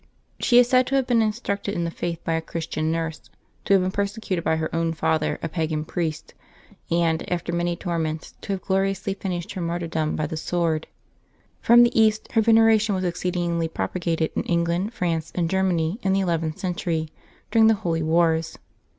She is said to have been instructed in the Faith by a Christian nurse, to have been persecuted by her own father, a pagan priest, and, after many torments, to have gloriously finished her martyrdom by the sword. From the East, her veneration was exceedingly propagated in England, France, and Germany, in the eleventh century, during the holy wars.